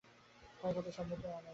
ক্ষয়ক্ষতির সম্মুখীন অনেক মানুষ।